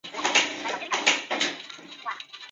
紫柄千年芋为天南星科千年芋属下的一个种。